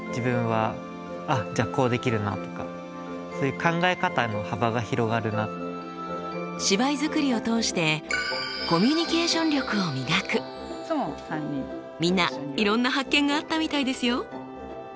学んだのは芝居作りを通してみんないろんな発見があったみたいですよ。